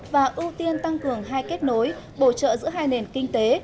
và ưu tiên tăng cường hai kết nối bổ trợ giữa hai nền kinh tế